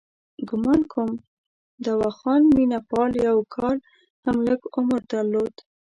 ګومان کوم دواخان مینه پال یو کال هم لږ عمر درلود.